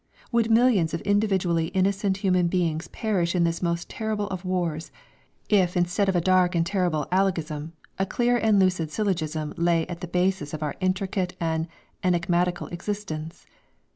Would millions of individually innocent human beings perish in this most terrible of wars, if instead of a dark and terrible alogism a clear and lucid syllogism lay at the basis of our intricate and enigmatical existence?